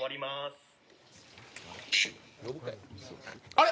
あれ？